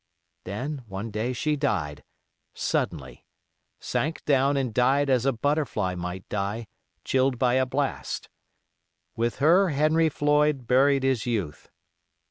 Then one day she died—suddenly—sank down and died as a butterfly might die, chilled by a blast. With her Henry Floyd buried his youth.